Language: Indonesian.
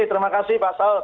terima kasih pak saud